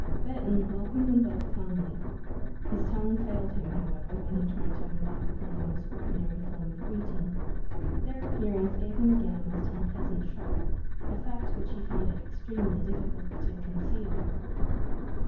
Burton welcomed them both calmly. His tongue failed him, however, when he tried to embark upon the most ordinary form of greeting. Their appearance gave him again a most unpleasant shock, a fact which he found it extremely difficult to conceal.